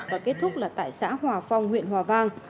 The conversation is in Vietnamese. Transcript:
và kết thúc là tại xã hòa phong huyện hòa vang